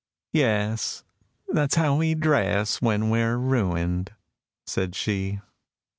— "Yes: that's how we dress when we're ruined," said she.